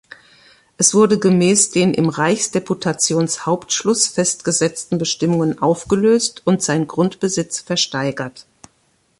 Es wurde gemäß den im Reichsdeputationshauptschluss festgesetzten Bestimmungen aufgelöst und sein Grundbesitz versteigert.